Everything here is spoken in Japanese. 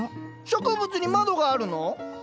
植物に窓があるの？